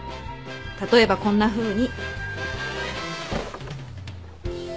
例えばこんなふうに。